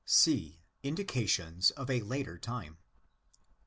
C.—Indications of a Later Time.